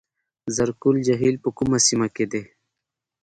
زرکول جهیل په کومه سیمه کې دی؟